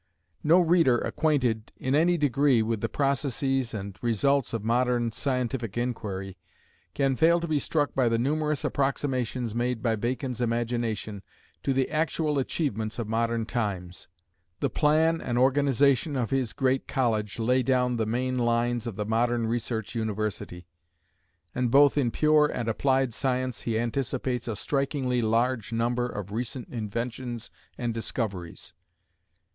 No reader acquainted in any degree with the processes and results of modern scientific inquiry can fail to be struck by the numerous approximations made by Bacon's imagination to the actual achievements of modern times. The plan and organization of his great college lay down the main lines of the modern research university; and both in pure and applied science he anticipates a strikingly large number of recent inventions and discoveries.